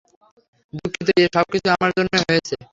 দুঃখিত, এ সবকিছুই আমার জন্যই হয়েছে।